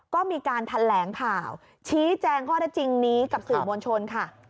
ก็มีการแถลงข่าวชี้แจงข้อได้จริงนี้กับสื่อมวลชนค่ะ